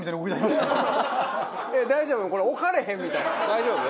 大丈夫？